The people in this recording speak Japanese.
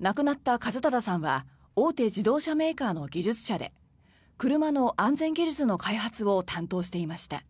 亡くなった一匡さんは大手自動車メーカーの技術者で車の安全技術の開発を担当していました。